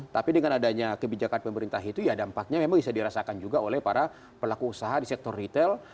tapi dengan adanya kebijakan pemerintah itu ya dampaknya memang bisa dirasakan juga oleh para pelaku usaha di sektor retail